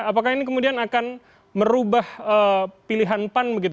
apakah ini kemudian akan merubah pilihan pan begitu